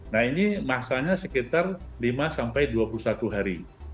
nah ini masanya sekitar lima sampai dua puluh satu hari